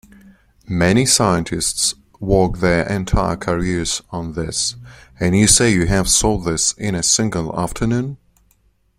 Many scientists work their entire careers on this, and you say you have solved this in a single afternoon?